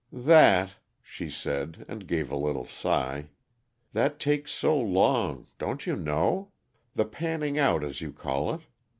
"That," she said, and gave a little sigh "that takes so long don't you know? The panning out, as you call it.